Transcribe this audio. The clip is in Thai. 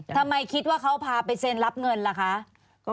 ทำไมคิดว่าเขาพาไปเซ็นรับเงินล่ะคะ